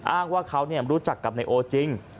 อ้างว่าเขารู้จักกับนายโอจริง